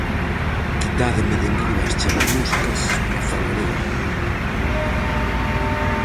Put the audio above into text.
Quitádeme de enriba as charamuscas e falarei!